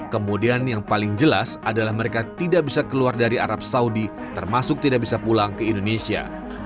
kemudian yang paling jelas adalah mereka tidak bisa keluar dari arab saudi termasuk tidak bisa pulang ke indonesia